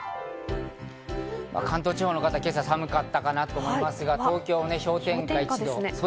関東地方の方は今朝、寒かったかなと思いますが、東京、氷点下１度。